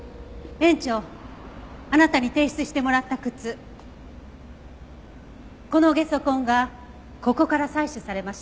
園長あなたに提出してもらった靴このゲソ痕がここから採取されました。